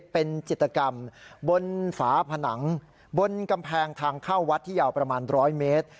เป็นจิตกรรมบนฝาผนังบนกำแพงทางเข้าวัดที่ยาวประมาณ๑๐๐เมตร